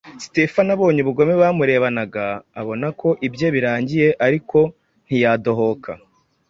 Sitefano abonye ubugome bamurebanaga, abona ko ibye birangiye ariko ntiyadohoka